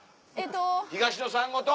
東野さんごと。